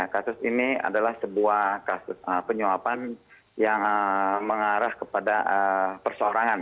kasus ini adalah sebuah penyuapan yang mengarah kepada persorangan